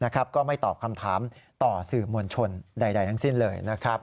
ก็ไม่ตอบคำถามต่อสื่อมวลชนใดทั้งสิ้นเลยนะครับ